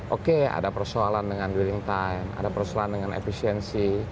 oke ada persoalan dengan dwelling time ada persoalan dengan efisiensi